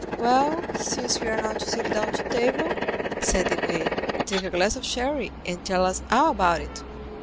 "Well, since we are not to sit down to table," said Debray, "take a glass of sherry, and tell us all about it."